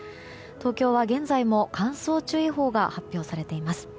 東京は現在も乾燥注意報が発表されています。